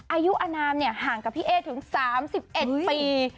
อายุอนามห่างกับพี่เอ๊ถึง๓๑ปี